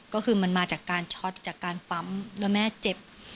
ก็คือมันมาจากการช็อตจากการปั๊มแล้วแม่เจ็บ